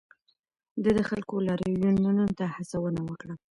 ده د خلکو لاریونونو ته هڅونه وکړه.